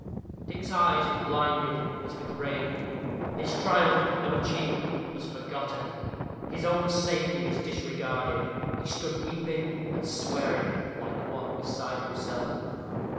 Dick's eyes were blinded, as with rain. His triumph, though achieved, was forgotten his own safety was disregarded. He stood weeping and swearing, like one beside himself.